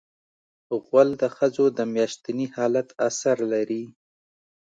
غول د ښځو د میاشتني حالت اثر لري.